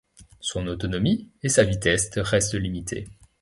Son autonomie et sa vitesse restent limitées.